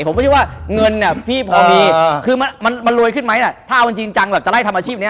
ผมไม่ใช่ว่าเงินพี่พอมีคือมันรวยขึ้นมั้ยอะถ้าเอาจริงจังจะไล่ห์ทำอาชีพนี้